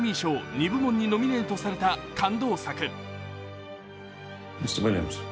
２部門にノミネートされた感動作。